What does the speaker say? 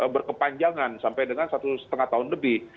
berkepanjangan sampai dengan satu setengah tahun lebih